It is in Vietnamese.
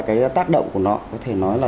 cái tác động của nó có thể nói là